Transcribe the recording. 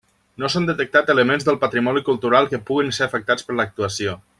No s'han detectat elements del patrimoni cultural que puguen ser afectats per l'actuació.